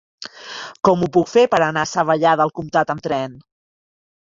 Com ho puc fer per anar a Savallà del Comtat amb tren?